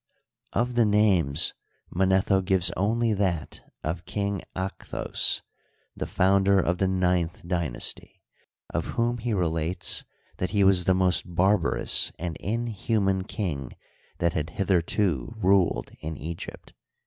Of the names, Manetho gives only that of King Ach tkoes, the founder of the ninth dynasty, of whom he relates that he was the most barbarous and inhuman king that • had hitherto ruled in Egypt.